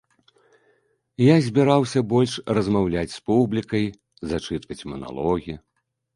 Я збіраўся больш размаўляць з публікай, зачытваць маналогі.